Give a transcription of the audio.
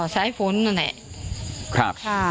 ใช้ฝนนั่นแหละ